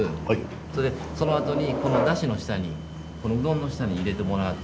それでそのあとにこのだしの下にこのうどんの下に入れてもらって。